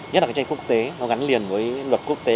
nhất là cạnh tranh quốc tế nó gắn liền với luật quốc tế